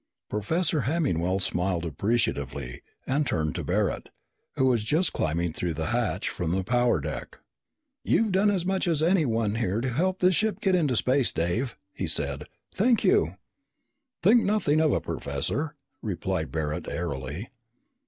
Professor Hemmingwell smiled appreciatively and turned to Barret, who was just climbing through the hatch from the power deck. "You've done as much as anyone to help this ship get into space, Dave," he said. "Thank you!" "Think nothing of it, Professor," replied Barret airily.